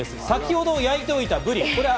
先ほど焼いておいたブリ。